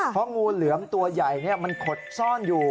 เพราะงูเหลือมตัวใหญ่มันขดซ่อนอยู่